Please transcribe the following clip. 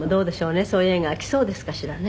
「そういう映画は来そうですかしらね？」